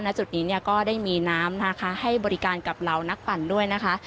จุดนี้เนี่ยก็ได้มีน้ำนะคะให้บริการกับเหล่านักปั่นด้วยนะคะ